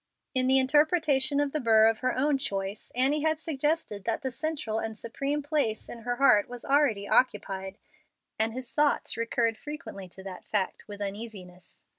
In the interpretation of the burr of her own choice, Annie had suggested that the central and supreme place in her heart was already occupied, and his thoughts recurred frequently to that fact with uneasiness.